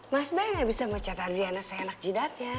mas be ga bisa mecat adriana seenak jidatnya